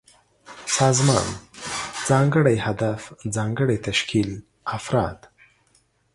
سازمان: ځانګړی هدف، ځانګړی تشکيل ، افراد